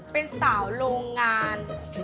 เป็นสาวโรงงาน